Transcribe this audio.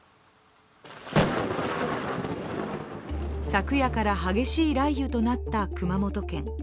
昨夜から、激しい雷雨となった熊本県。